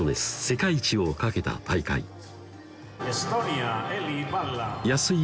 世界一を懸けた大会安井